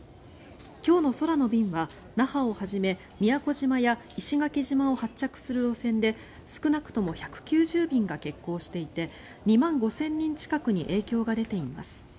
今日の空の便は那覇をはじめ宮古島や石垣島を発着する路線で少なくとも１９０便が欠航していて２万５０００人近くに影響が出ています。